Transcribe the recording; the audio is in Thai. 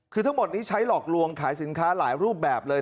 คือทั้งหมดนี้ใช้หลอกลวงขายสินค้าหลายรูปแบบเลย